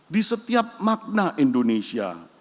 di setiap makna indonesia